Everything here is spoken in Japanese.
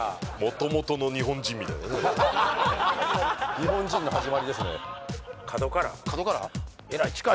日本人のはじまりですね